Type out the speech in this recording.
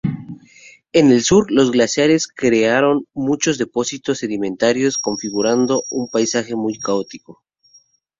En el sur, los glaciares crearon muchos depósitos sedimentarios, configurando un paisaje muy caótico.